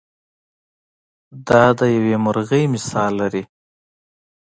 دا د یوې مرغۍ مثال لري.